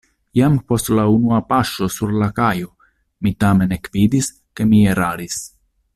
Jam post la unua paŝo sur la kajo mi tamen ekvidis, ke mi eraris.